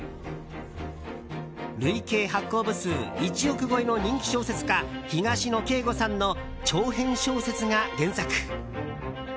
累計発行部数１億超えの人気小説家東野圭吾さんの長編小説が原作。